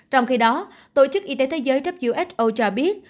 trong khi đó tổ chức y tế thế giới who cho biết